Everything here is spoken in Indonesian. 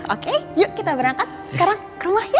oke yuk kita berangkat sekarang ke rumah ya